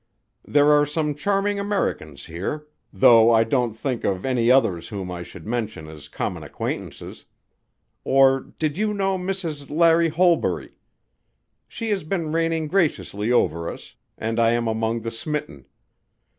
"There are some charming Americans here though I don't think of any others whom I should mention as common acquaintances. Or did you know Mrs. Larry Holbury? She has been reigning graciously over us, and I am among the smitten.